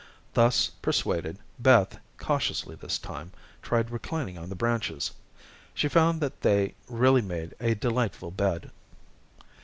Thus persuaded, Beth, cautiously this time, tried reclining on the branches. She found that they really made a delightful bed.